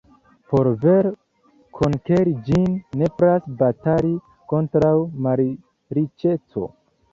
Por vere konkeri ĝin, nepras batali kontraŭ malriĉeco.